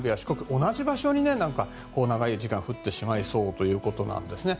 同じ場所に長い時間降ってしまいそうということなんですね。